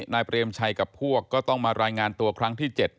นายเปรมชัยกับพวกก็ต้องมารายงานตัวครั้งที่๗